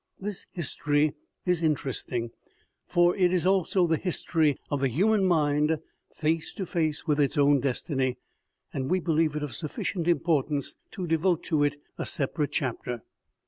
This history is interesting, for it is also the history of the human mind face to face with its own destiny, and we believe it of sufficient importance to devote to it a separate chapter.